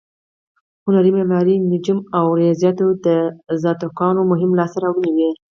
هنر، معماري، نجوم او ریاضیاتو د ازتکانو مهمې لاسته راوړنې وې.